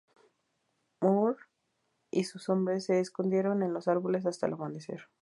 Moore y sus hombres se escondieron en los árboles hasta el amanecer.